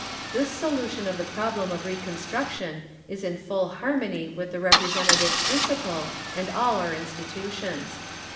This solution of the problem of reconstruction is in full harmony with the representative principle and all our institutions.